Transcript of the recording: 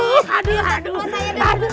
aduh aduh aduh aduh